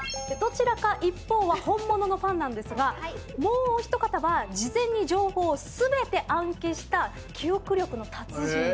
どちらか一方は本物のファンなんですがもうお一方は事前に情報を全て暗記した記憶力の達人。